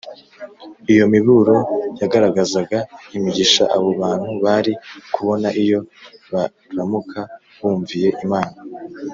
. Iyo miburo yagaragazaga imigisha abo bantu bari kubona iyo baramuka bumviye Imana